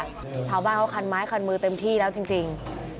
ชาวบ้านเขาคันไม้คันมือเต็มที่แล้วจริง